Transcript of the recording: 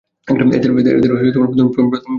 এদের প্রধান খাদ্য হল ভাত।